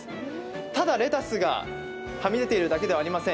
ただレタスがはみ出ているだけではありません。